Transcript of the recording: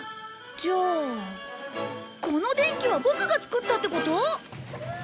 じゃあこの電気はボクが作ったってこと！？